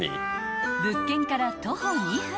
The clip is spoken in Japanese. ［物件から徒歩２分